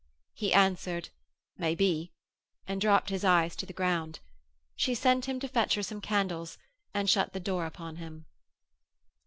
He answered, 'Maybe,' and dropped his eyes to the ground. She sent him to fetch her some candles, and shut the door upon him.